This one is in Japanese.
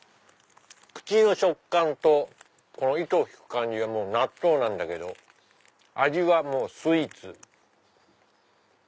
口の食感とこの糸を引く感じが納豆なんだけど味はスイーツ。